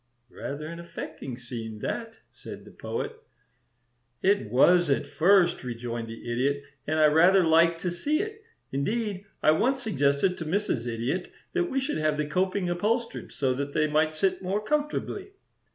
"Rather an affecting scene, that," said the Poet. "It was at first," rejoined the Idiot, "and I rather liked to see it. Indeed, I once suggested to Mrs. Idiot that we should have the coping upholstered, so that they might sit more comfortably.